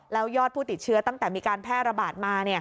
แล้วยอดผู้ติดเชื้อตั้งแต่มีการแพร่ระบาดมา